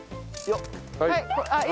はい。